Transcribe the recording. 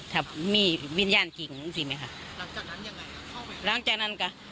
ถ้ามีวิญญาณที่สิมั้ยคะหลังจากนั้นยังไงลงจากนั้นก็